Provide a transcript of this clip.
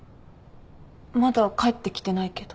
まだ帰ってきてないけど。